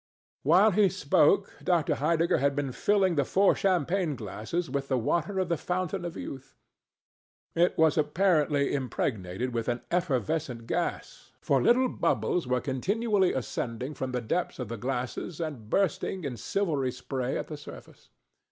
While he spoke Dr. Heidegger had been filling the four champagne glasses with the water of the Fountain of Youth. It was apparently impregnated with an effervescent gas, for little bubbles were continually ascending from the depths of the glasses and bursting in silvery spray at the surface.